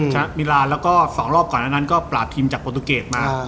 มิลานแล้วก็๒รอบก่อนอันนั้นก็ปราบทีมจากโปรตูเกตมา